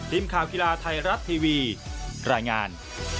ทีมข่าวกีฬาไทยรัฐทีวีรายงาน